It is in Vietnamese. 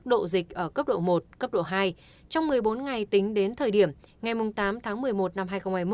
độ dịch ở cấp độ một cấp độ hai trong một mươi bốn ngày tính đến thời điểm ngày tám tháng một mươi một năm hai nghìn hai mươi một